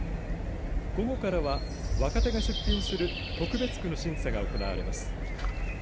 午後からは若手が出品する特別区の審査が行われます。